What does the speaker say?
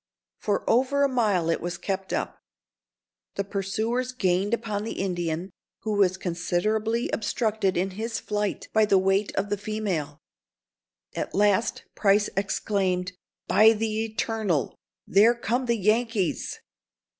For over a mile it was kept up. The pursuers gained upon the Indian, who was considerably obstructed in his flight by the weight of the female. At last Price exclaimed: "By the eternal, there come the Yankees!"